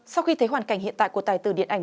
sau khi thấy hoàn cảnh hiện tại của tài tử điện ảnh